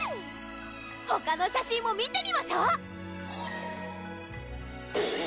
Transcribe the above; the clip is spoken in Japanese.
ほかの写真も見てみましょう！